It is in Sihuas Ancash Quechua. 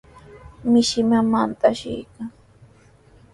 Mishi mamanta ashiykan.